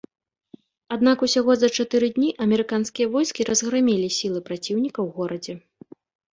Аднак усяго за чатыры дні амерыканскія войскі разграмілі сілы праціўніка ў горадзе.